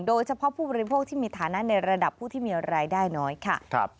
โดยเฉพาะผู้บริโภคที่มีฐานะในระดับผู้ที่มีรายได้น้อยค่ะ